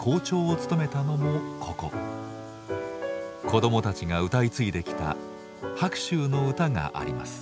子どもたちが歌い継いできた白秋の歌があります。